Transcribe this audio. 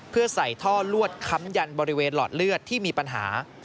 เพื่อใส่ท่อลวดค้ำยันบริเวณหลอดเลือดที่มีปัญหา